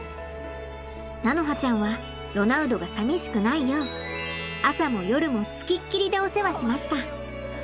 菜花ちゃんはロナウドが寂しくないよう朝も夜もつきっきりでお世話しました。